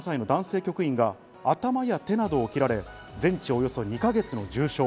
局員が頭や手などを切られ、全治およそ２か月の重傷。